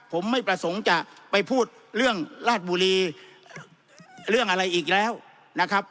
ผมไม่ประสงค์จะไปพูดเรื่องราชบุรีเรื่องอะไรอีกแล้วนะครับ